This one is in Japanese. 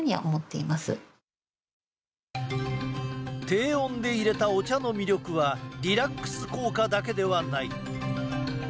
低温でいれたお茶の魅力はリラックス効果だけではない。